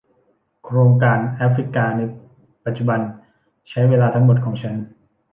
โครงการแอฟริกาในปัจจุบันใช้เวลาทั้งหมดของฉัน